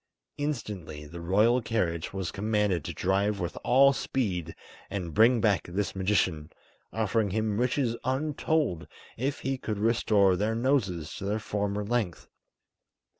Instantly the royal carriage was commanded to drive with all speed and bring back this magician, offering him riches untold if he could restore their noses to their former length.